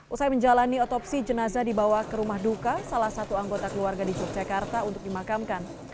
usai menjalani otopsi jenazah dibawa ke rumah duka salah satu anggota keluarga di yogyakarta untuk dimakamkan